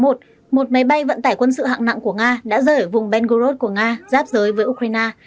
một máy bay vận tải quân sự hạng nặng của nga đã rơi ở vùng bengal road của nga giáp giới với ukraine